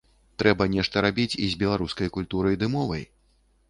Трэба нешта рабіць і з беларускай культурай ды мовай.